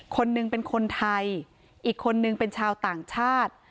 คนหนึ่งเป็นคนไทยอีกคนนึงเป็นชาวต่างชาติ